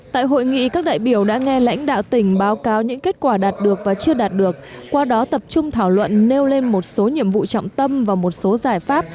tại hội nghị các đại biểu đã nghe lãnh đạo tỉnh báo cáo những kết quả đạt được và chưa đạt được qua đó tập trung thảo luận nêu lên một số nhiệm vụ trọng tâm và một số giải pháp